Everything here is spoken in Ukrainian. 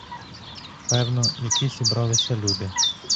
Певно, які зібралися люди.